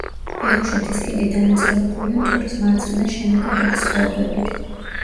ერუშეთის ქედი დანაწევრებულია მტკვრის მარცხენა შენაკადების ხეობებით.